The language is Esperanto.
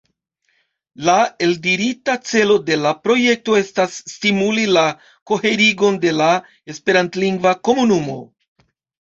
La eldirita celo de la projekto estas "stimuli la koherigon de la esperantlingva komunumo".